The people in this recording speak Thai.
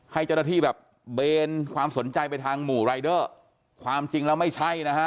ให้เจ้าหน้าที่แบบเบนความสนใจไปทางหมู่รายเดอร์ความจริงแล้วไม่ใช่นะฮะ